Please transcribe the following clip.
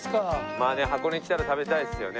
まあね箱根来たら食べたいですよね。